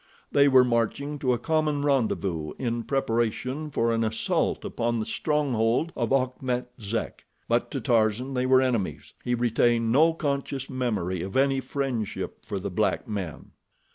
They were marching to a common rendezvous in preparation for an assault upon the stronghold of Achmet Zek; but to Tarzan they were enemies—he retained no conscious memory of any friendship for the black men.